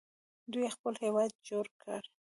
دوی خپل هیواد جوړ کړ.